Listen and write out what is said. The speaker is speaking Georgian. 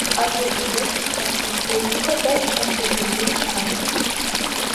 აგებულია თიხაფიქლებითა და ტუფოგენური ქანებით.